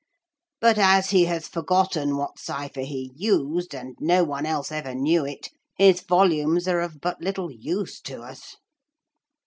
But as he has forgotten what cypher he used, and no one else ever knew it, his volumes are of but little use to us.'